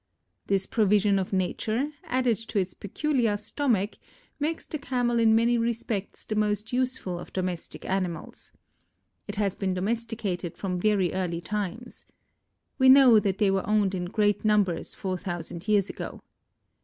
This provision of nature, added to its peculiar stomach, makes the Camel in many respects the most useful of domestic animals. It has been domesticated from very early times. We know that they were owned in great numbers four thousand years ago.